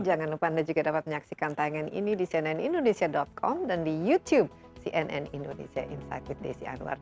jangan lupa anda juga dapat menyaksikan tayangan ini di cnnindonesia com dan di youtube cnn indonesia insight with desi anwar